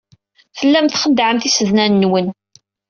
Tellam txeddɛem tisednan-nwen.